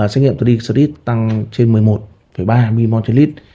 xét nghiệm triglycerides tăng trên một mươi một ba mmol trên lít